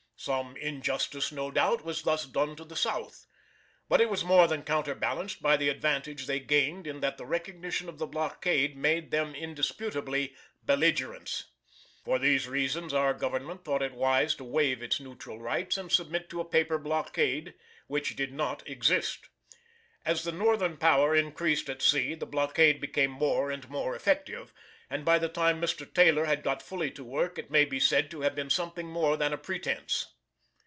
Some injustice, no doubt, was thus done to the South. But it was more than counterbalanced by the advantage they gained in that the recognition of the blockade made them indisputably belligerents. For these reasons our Government thought it wise to waive its neutral rights and submit to a paper blockade, which did not exist. As the Northern power increased at sea the blockade became more and more effective, and by the time Mr. Taylor had got fully to work it may be said to have been something more than a pretence.